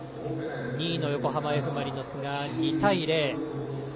２位の横浜Ｆ・マリノスが２対０。